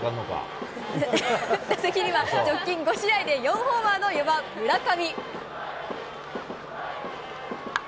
打席には直近５試合で４ホーマーの４番村上。